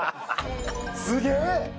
すげえ！